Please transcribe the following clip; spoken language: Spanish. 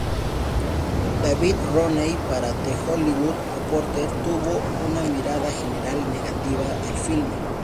David Rooney para "The Hollywood Reporter" tuvo una mirada general negativa del filme.